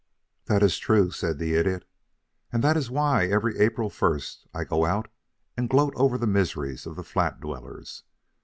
"That is true," said the Idiot; "and that is why every April 1st I go out and gloat over the miseries of the flat dwellers.